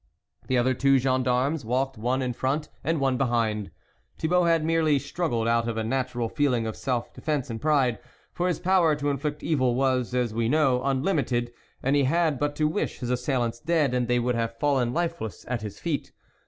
The other two gendarmes walked one in front, and one behind. Thibault had merely strug gled out of a natural feeling of self defence and pride, for his power to inflict evil was, as we know, unlimited, and he had but to wish his assailants dead, and they would have fallen lifeless at his feet.